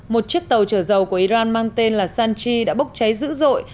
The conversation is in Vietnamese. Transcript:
một chiếc tàu chở dầu của iran mang tên là sanchi đã bốc cháy dữ dội